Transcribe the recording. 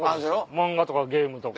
漫画とかゲームとか。